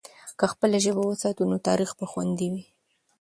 که خپله ژبه وساتو، نو تاریخ به خوندي وي.